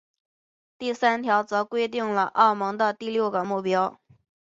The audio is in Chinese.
第三条则规定了欧盟的六个目标。